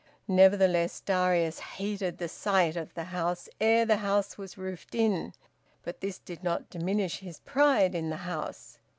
Nevertheless Darius `hated the sight' of the house ere the house was roofed in. But this did not diminish his pride in the house.